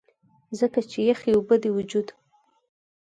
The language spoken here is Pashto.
ځکه چې يخې اوبۀ د وجود